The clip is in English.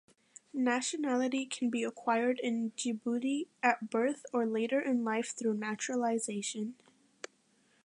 Nationality can be acquired in Djibouti at birth or later in life through naturalization.